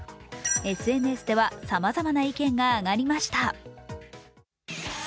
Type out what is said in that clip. ＳＮＳではさまざまな意見が上がりました。